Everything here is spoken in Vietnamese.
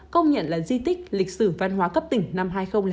công nhận là di tích lịch sử văn hóa cấp tỉnh năm hai nghìn năm